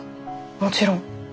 もちろん。